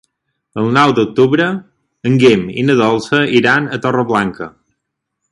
El nou d'octubre en Guim i na Dolça iran a Torreblanca.